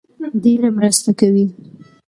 ډېره مرسته کوي